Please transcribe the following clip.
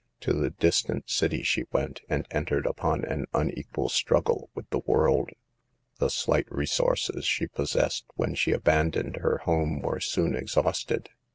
To the distant city she went, and entered upon an unequal struggle with the world. The slight resources she possessed when she abandoned her home were soon exhausted.